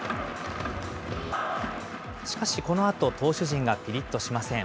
しかしこのあと、投手陣がぴりっとしません。